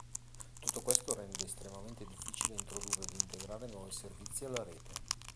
Tutto questo rende estremamente difficile introdurre ed integrare nuovi servizi alla rete.